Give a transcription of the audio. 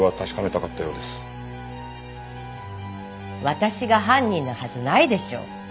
私が犯人なはずないでしょ。